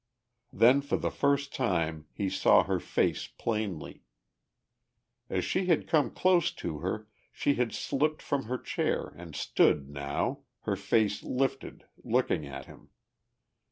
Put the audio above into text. Then for the first time he saw her face plainly. As he had come close to her she had slipped from her chair and stood now, her face lifted, looking at him.